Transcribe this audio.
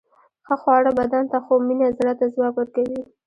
ښه خواړه بدن ته، خو مینه زړه ته ځواک ورکوي.